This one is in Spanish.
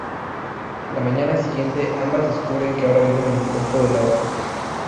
La mañana siguiente ambas descubren que ahora viven en el cuerpo de la otra.